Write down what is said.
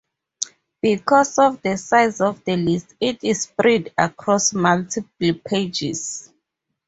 Because of the size of the list, it is spread across multiple pages.